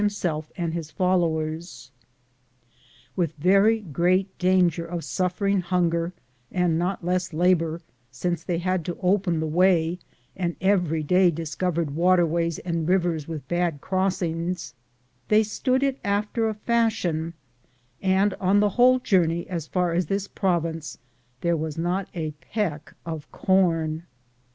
18* am Google THE JO0RNEY OP CORONADO not less labor, since they had to open the way, and every day discovered waterways and rivers with bad crossings, they stood it after a fashion, and on the whole journey as far as this province there was not a peck of corn.